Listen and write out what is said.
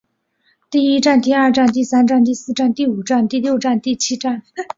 第一战第二战第三战第四战第五战第六战第七战